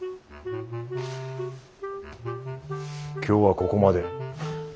今日はここまで。